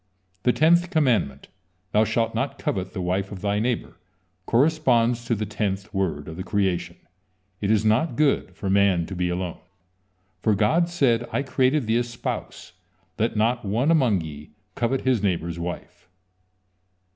The tenth commandment: "Thou shalt not covet the wife of thy neighbor," corresponds to the tenth word of the creation: "It is not good for man to be alone," for God said: "I created thee a spouse, and let not one among ye covet his neighbor's wife."